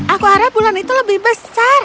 aku harap bulan itu lebih besar